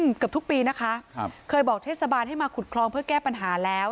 เกือบทุกปีนะคะครับเคยบอกเทศบาลให้มาขุดคลองเพื่อแก้ปัญหาแล้ว